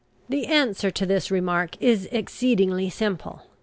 The answer to this remark is exceedingly simple.